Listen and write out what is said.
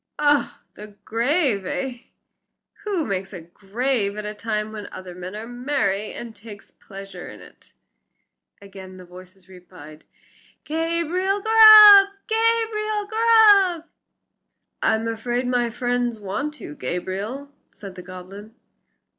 "Oh! the grave, eh? Who makes graves at a time when other men are merry, and takes a pleasure in it?" Again the voices replied, "Gabriel Grubb! Gabriel Grubb!" "I'm afraid my friends want you, Gabriel," said the goblin.